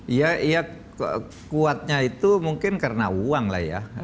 iya iya kuatnya itu mungkin karena uang lah ya